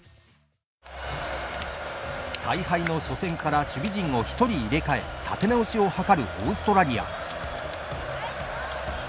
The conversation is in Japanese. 大敗の初戦から守備陣を１人入れ替え立て直しを図るオーストラリア。